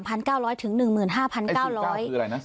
ไอ้๔๙คืออะไรนะ๔๙